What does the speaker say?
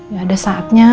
ya ada saatnya